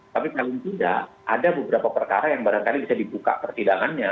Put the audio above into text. tapi paling tidak ada beberapa perkara yang barangkali bisa dibuka persidangannya